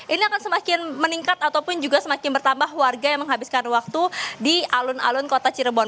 ini akan semakin meningkat ataupun juga semakin bertambah warga yang menghabiskan waktu di alun alun kota cirebon